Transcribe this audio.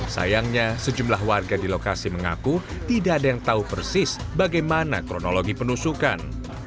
sayangnya sejumlah warga di lokasi mengaku tidak ada yang tahu persis bagaimana kronologi penusukan